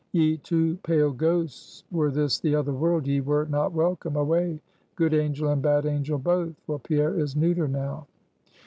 "Ye two pale ghosts, were this the other world, ye were not welcome. Away! Good Angel and Bad Angel both! For Pierre is neuter now!"